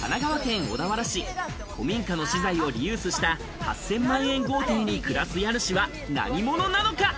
神奈川県小田原市、古民家の資材をリユースした８０００万円豪邸の暮らす家主は何者なのか？